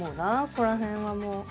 ここら辺はもう。